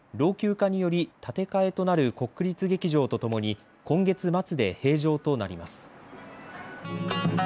老朽化により建て替えとなる国立劇場とともに今月末で閉場となります。